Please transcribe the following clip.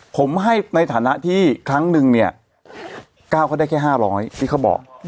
ผมให้ในฐานะที่ครั้งหนึ่งเนี้ยก้าวก็ได้แค่ห้าร้อยที่เขาบอก